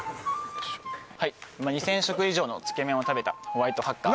はい２０００食以上のつけ麺を食べたホワイトハッカー